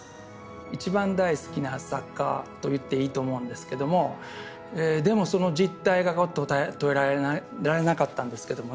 一番大好きな作家と言っていいと思うんですけどもでもその実態が捉えられなかったんですけどもね